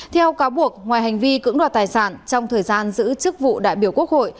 theo cáo buộc ngoài hành vi cưỡng đoạt tài sản trong thời gian giữ chức vụ đại biểu quốc hội